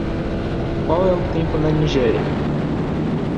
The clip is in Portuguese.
Qual é o tempo na Nigéria?